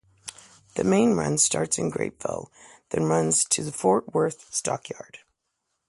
The main run starts in Grapevine, then runs to the Fort Worth Stockyards.